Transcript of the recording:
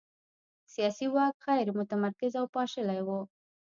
سیاسي واک غیر متمرکز او پاشلی و.